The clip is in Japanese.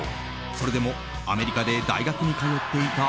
それでもアメリカで大学に通っていた、